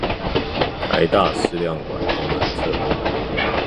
臺大思亮館東南側